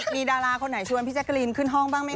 มีดาราคนไหนชวนพี่แจ๊กรีนขึ้นห้องบ้างไหมค